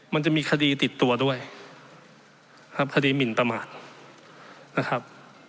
มันจะมีคดีติดตัวด้วยนะครับคดีหมินประมาทนะครับ